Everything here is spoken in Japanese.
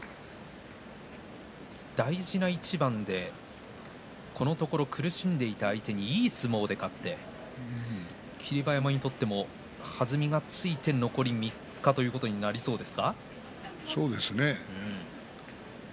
大事な一番でこのところ苦しんでいた相手にいい相撲で勝って霧馬山にとっても弾みがついて残り３日ということにそうですね。